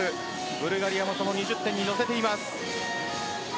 ブルガリアもその２０点に乗せています。